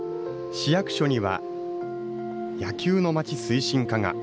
市役所には野球のまち推進課が。